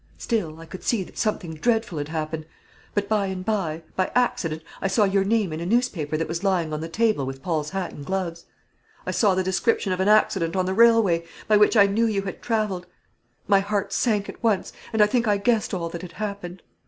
Still I could see that something dreadful had happened. But by and by, by accident, I saw your name in a newspaper that was lying on the table with Paul's hat and gloves. I saw the description of an accident on the railway, by which I knew you had travelled. My heart sank at once, and I think I guessed all that had happened.